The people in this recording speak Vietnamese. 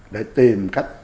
để tìm cách